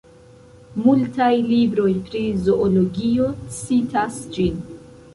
Multaj libroj pri zoologio citas ĝin.